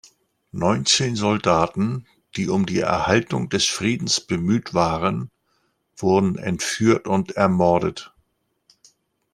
Neunzehn Soldaten, die um die Erhaltung des Friedens bemüht waren, wurden entführt und ermordet.